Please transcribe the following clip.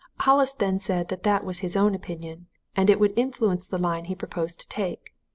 Hollis then said that that was his own opinion, and it would influence the line he proposed to take.